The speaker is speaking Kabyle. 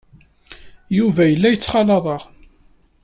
Yuba yella yettxalaḍ-aɣ.